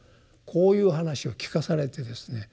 こういう話を聞かされてですね